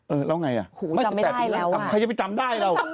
เออแล้วไงจำไม่ได้แล้วใครจะไปจำได้เรา